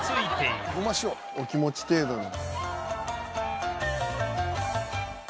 お気持ち程度の。